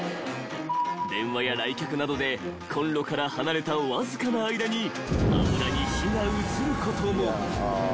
［電話や来客などでこんろから離れたわずかな間に油に火が移ることも］